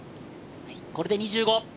これで２５。